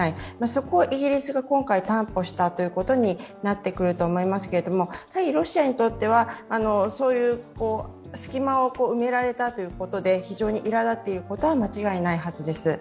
そこをイギリスが今回担保したということになってくると思いますけどやはりロシアにとっては隙間を埋められたということで非常にいらだっていることは間違いないはずです。